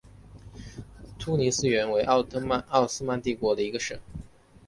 突尼斯原为奥斯曼帝国的一个省。